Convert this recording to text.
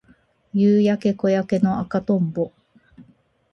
夕焼け小焼けの赤とんぼ